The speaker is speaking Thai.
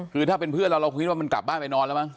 คือถ้าเป็นเพื่อนเราเราคิดว่ามันกลับบ้านไปนอนแล้วมั้